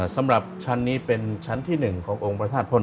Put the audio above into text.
สำหรับชั้นนี้เป็นชั้นที่๑ขององค์พระธาตุพล